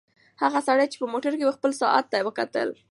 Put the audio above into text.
هغه سړی چې په موټر کې و خپل ساعت ته وکتل.